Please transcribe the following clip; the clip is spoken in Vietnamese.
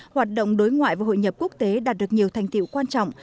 hoạt động đối ngoại và hội nhập quốc tế đạt được nhiều thành tiệu quan trọng